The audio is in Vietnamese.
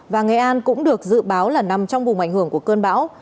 và nghệ an cũng được dự báo là nằm trong vùng ảnh hưởng của cơn bão